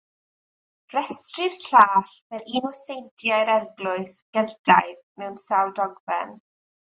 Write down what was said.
Rhestrir Ilar fel un o seintiau'r Eglwys Geltaidd mewn sawl dogfen.